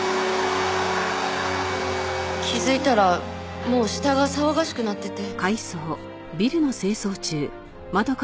気づいたらもう下が騒がしくなってて。